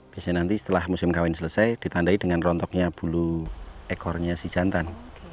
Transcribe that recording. biasanya nanti setelah musim kawin selesai ditandai dengan rontoknya bulu ekornya si jantan